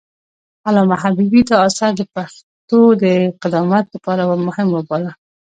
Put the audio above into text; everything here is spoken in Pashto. علامه حبيبي دا اثر د پښتو د قدامت لپاره مهم وباله.